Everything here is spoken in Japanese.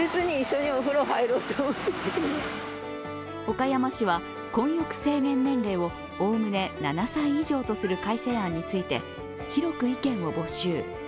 岡山市は混浴制限年齢をおおむね７歳以上とする改正案について、広く意見を募集。